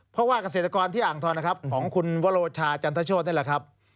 เพราะว่าเกษตรกรที่อ่างทองนะครับของคุณวโรชาจันทโชธนี่แหละครับ